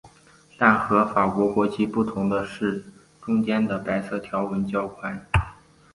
但和法国国旗不同的是中间的白色条纹较宽。